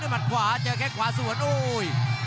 มัดขวาเจอแค่ขวาสวนโอ้ย